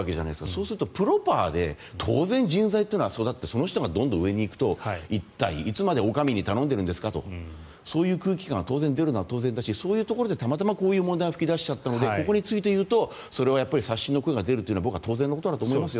そうするとプロパーで当然、人材というのは育ってその人がどんどん上に行くと一体、いつまでお上に頼んでいるんですかとそういう空気感が出るのは当然だしそういうところでたまたまこういうことが噴き出しちゃったのでここについていうとそれは刷新の声が出るのは僕は当然のことだと思いますよ。